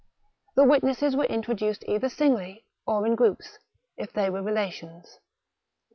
The witnesses were intro duced either singly, or in groups, if they were rela tions.